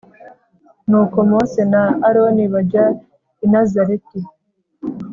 Nuko Mose na Aroni bajya I nazareti